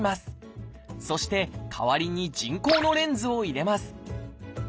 そして代わりに人工のレンズを入れます。